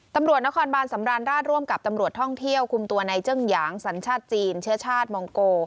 ตำรวจนครบานสำราญราชร่วมกับตำรวจท่องเที่ยวคุมตัวในเจิ้งหยางสัญชาติจีนเชื้อชาติมองโก